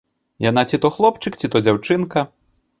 Яна ці то хлопчык, ці то дзяўчынка.